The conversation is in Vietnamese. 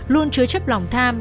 luôn chứa chấp lòng tham